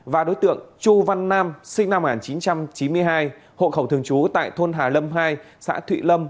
và đối tượng chu văn nam sinh năm một nghìn chín trăm chín mươi hai hộ khẩu thường trú tại thôn hà lâm hai xã thụy lâm